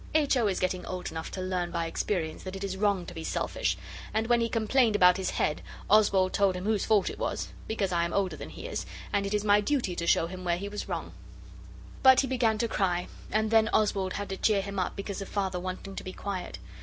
H. O. is getting old enough to learn by experience that it is wrong to be selfish, and when he complained about his head Oswald told him whose fault it was, because I am older than he is, and it is my duty to show him where he is wrong. But he began to cry, and then Oswald had to cheer him up because of Father wanting to be quiet.